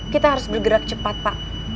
kita harus bergerak cepat pak